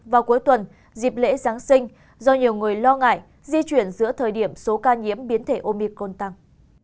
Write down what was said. vào cuối tuần dịp lễ giáng sinh do nhiều người lo ngại di chuyển giữa thời điểm số ca nhiễm biến thể omicon tăng